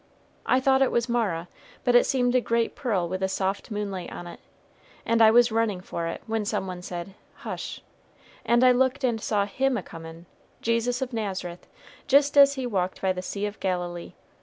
I thought it was Mara, but it seemed a great pearl with a soft moonlight on it; and I was running for it when some one said 'hush,' and I looked and I saw Him a coming Jesus of Nazareth, jist as he walked by the sea of Galilee.